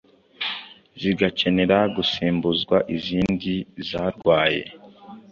zigakenera gusimbuzwa izindi zarwaye.